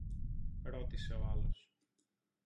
ρώτησε ο άλλος